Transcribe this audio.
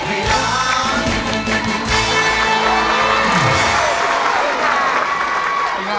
ขอบคุณค่ะ